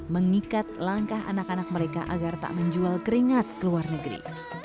mengikat langkah anak anak mereka agar tak menjual keringat ke luar negeri